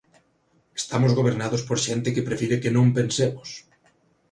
Estamos gobernados por xente que prefire que non pensemos.